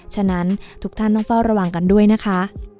ฉะนั้นทุกท่านต้องเฝ้าระวังกันด้วยนะคะ